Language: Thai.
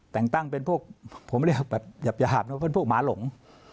แต่งตั้งเป็นพวกผมเรียกแบบหยาบนะเป็นพวกหมาหลง